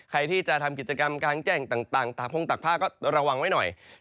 ใครที่จะทำกิจกรรมกลางแจ้งต่างตากพงตากผ้าก็ระวังไว้หน่อย